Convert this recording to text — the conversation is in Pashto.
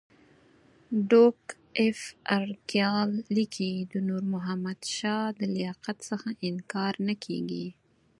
ډوک اف ارګایل لیکي د نور محمد شاه د لیاقت څخه انکار نه کېږي.